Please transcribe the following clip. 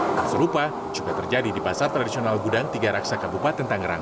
tak serupa juga terjadi di pasar tradisional gudang tiga raksa kabupaten tangerang